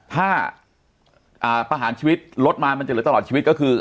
ถ้าประหารชีวิตลดมามันจะเหลือตลอดชีวิตก็คือ